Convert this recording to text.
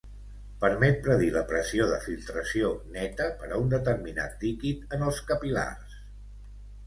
Permet predir la pressió de filtració neta per a un determinat líquid en els capil·lars.